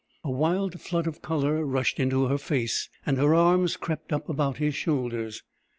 A wild flood of colour rushed into her face and her arms crept up about his shoulders.